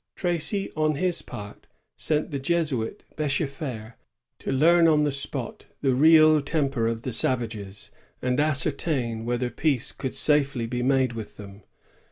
Tracy, on his part, sent the Jesuit BSchefer to learn on the spot the real temper of the savages, and ascertain whether peace could safely be made with them.